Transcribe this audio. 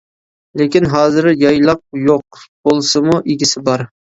لېكىن ھازىر يايلاق يوق، بولسىمۇ ئىگىسى بار.